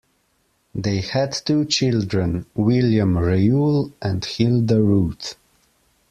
They had two children, William Reuel and Hilda Ruth.